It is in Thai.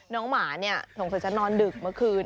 หมาเนี่ยสงสัยจะนอนดึกเมื่อคืน